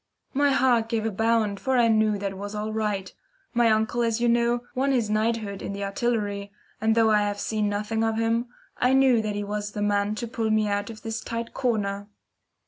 My heart gave a bound, for I knew that all was right. My uncle, as you know, won his knighthood in the Artillery, and though I have seen nothing of him, I knew that he was the man to pull me out of this tight corner.